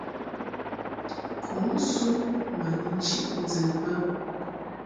Kǔnsun ma ni nchiʼ ndɨ bə.